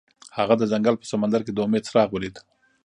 هغه د ځنګل په سمندر کې د امید څراغ ولید.